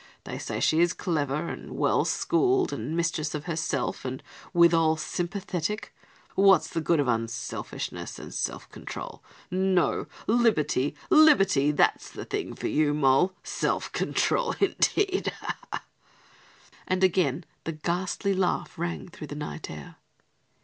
They say she is clever and well schooled and mistress of herself and withal sympathetic. What's the good of unselfishness and self control? No, liberty, liberty that's the thing for you, Moll. Self control, indeed!" and again the ghastly laugh rang through the night air.